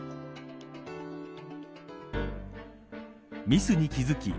ミスに気付き